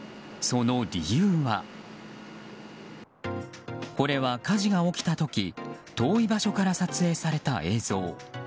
その理由はこれは火事が起きた時遠い場所から撮影された映像。